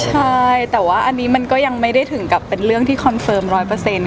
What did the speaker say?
ใช่แต่ว่าอันนี้มันก็ยังไม่ได้ถึงกับเป็นเรื่องที่คอนเฟิร์มร้อยเปอร์เซ็นต